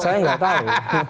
saya enggak tahu